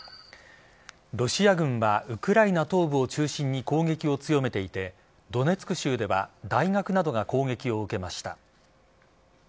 ロシア軍はウクライナ東部を中心に攻撃を強めていてドネツク州では大学などが攻撃を受けました。